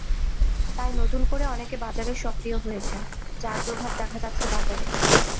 তাই নতুন করে অনেকে বাজারে সক্রিয় হয়েছেন, যার প্রভাব দেখা যাচ্ছে বাজারে।